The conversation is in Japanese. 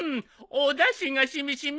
おだしが染み染み！